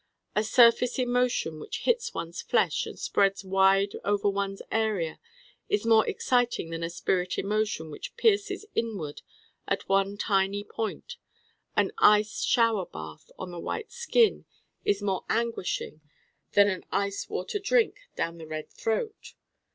A surface emotion which hits one's flesh and spreads wide over one's area is more exciting than a spirit emotion which pierces inward at one tiny point: an ice shower bath on the white skin is more anguishing than an ice water drink down the red throat.